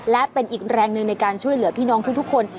และเป็นอีกแรงหนึ่งในการช่วยเหลือพี่น้องทุกคน